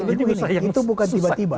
itu bukan tiba tiba